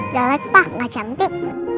jelek pak gak cantik